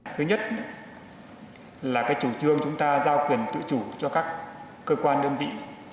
thứ nhất là cái chủ trương chúng ta giao quyền tự chủ cho các cơ quan đơn vị